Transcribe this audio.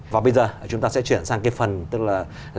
và bây giờ chúng ta sẽ chuyển sang cái phần tức là làm thế nào